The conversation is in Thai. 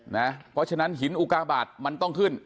เพราะฉะนั้นหินอุกาบาทมันต้องขึ้น